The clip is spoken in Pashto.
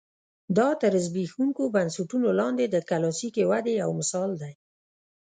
دا تر زبېښونکو بنسټونو لاندې د کلاسیکې ودې یو مثال دی.